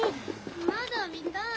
まだ見たい！